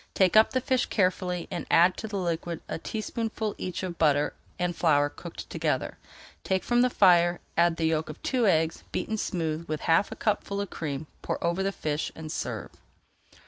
Take up the fish carefully and add to the liquid a teaspoonful each of butter and flour cooked together. Take from the fire, add the yolk of two eggs, beaten smooth with half a cupful of cream; pour over the fish and serve.